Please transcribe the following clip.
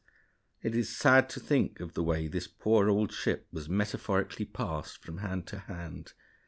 It is sad to think of the way this poor old ship was metaphorically passed from hand to hand.